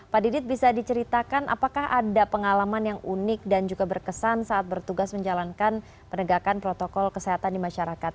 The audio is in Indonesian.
pak didit bisa diceritakan apakah ada pengalaman yang unik dan juga berkesan saat bertugas menjalankan penegakan protokol kesehatan di masyarakat